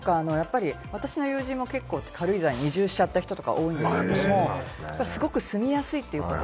私の友人も結構、軽井沢に移住しちゃった人とか多いので、すごく住みやすいということ。